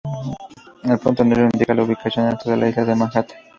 El punto negro indica la ubicación dentro de la isla de Manhattan.